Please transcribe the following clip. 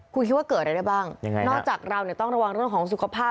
คุณคิดว่าเกิดอะไรได้บ้างยังไงนอกจากเราเนี่ยต้องระวังเรื่องของสุขภาพ